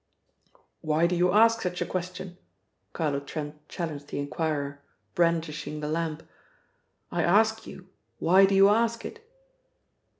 "Why do you ask such a question?" Carlo Trent challenged the enquirer, brandishing the lamp. "I ask you why do you ask it?"